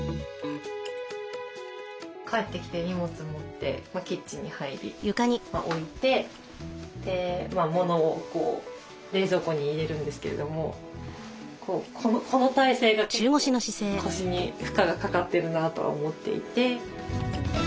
帰ってきて荷物持ってキッチンに入り置いて物を冷蔵庫に入れるんですけれどもこの体勢が結構腰に負荷がかかってるなとは思っていて。